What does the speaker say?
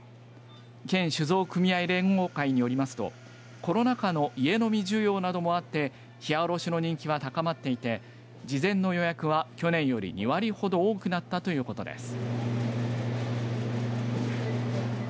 県酒造組合連合会によりますとコロナ禍の家飲み需要などもあってひやおろしの人気は高まっていて事前の予約は去年より２割ほど多くなったということです。